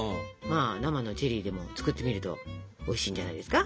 生のチェリーでも作ってみるとおいしいんじゃないですか？